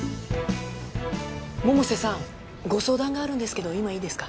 百瀬さんご相談があるんですけど今いいですか？